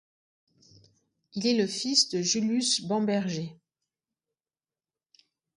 Il est le fils de Julius Bamberger.